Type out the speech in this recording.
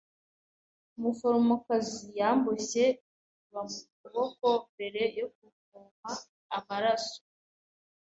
Umuforomokazi yamboshye igituba mu kuboko mbere yo kuvoma amaraso.